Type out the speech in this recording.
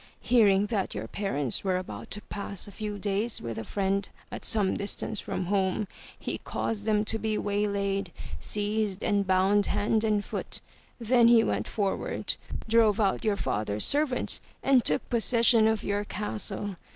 Hearing that your parents were about to pass a few days with a friend at some distance from home, he caused them 375 MY BOOK HOUSE to be waylaid, seized and bound hand and foot. Then he went forward, drove out your father's servants, and took possession of your castle.